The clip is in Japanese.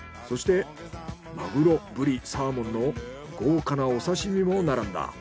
そしてマグロブリサーモンの豪華なお刺身も並んだ。